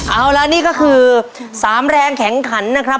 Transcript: เอาละนี่ก็คือ๓แรงแข็งขันนะครับ